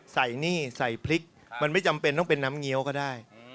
หนี้ใส่พริกมันไม่จำเป็นต้องเป็นน้ำเงี้ยวก็ได้